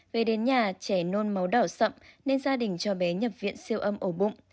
về đến nhà trẻ nôn máu đỏ sậm nên gia đình cho bé nhập viện siêu âm ổ bụng